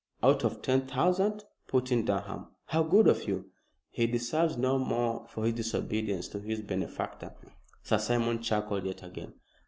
"Out of ten thousand," put in Durham. "How good of you!" "He deserves no more for his disobedience to his benefactor." Sir Simon chuckled yet again.